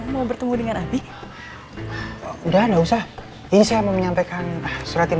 mau bertemu dengan adik udah nggak usah ini saya mau menyampaikan surat ini